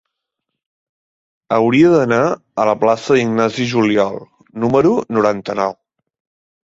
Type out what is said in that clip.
Hauria d'anar a la plaça d'Ignasi Juliol número noranta-nou.